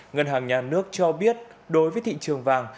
ngân hàng nhà nước cho biết đối với thị trường vàng